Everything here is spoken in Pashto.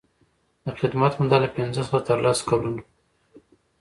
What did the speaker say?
د خدمت موده له پنځه څخه تر لس کلونو.